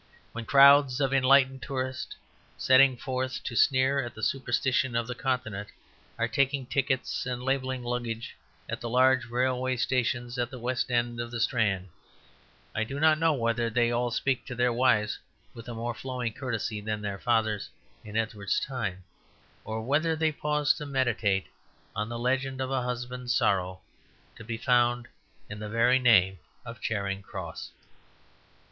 When crowds of enlightened tourists, setting forth to sneer at the superstitions of the continent, are taking tickets and labelling luggage at the large railway station at the west end of the Strand, I do not know whether they all speak to their wives with a more flowing courtesy than their fathers in Edward's time, or whether they pause to meditate on the legend of a husband's sorrow, to be found in the very name of Charing Cross.